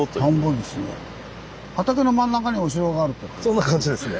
そんな感じですね。